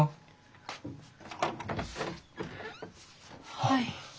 はい。